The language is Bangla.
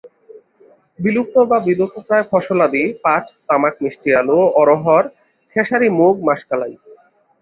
বিলুপ্ত বা বিলুপ্তপ্রায় ফসলাদি পাট, তামাক, মিষ্টি আলু, অড়হর, খেসারি, মুগ, মাষকলাই।